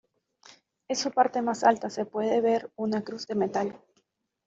En su parte más alta se puede ver una cruz de metal.